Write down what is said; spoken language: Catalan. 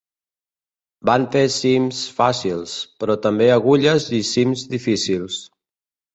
Van fer cims fàcils, però també agulles i cims difícils.